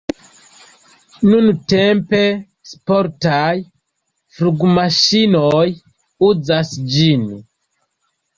Nuntempe sportaj flugmaŝinoj uzas ĝin.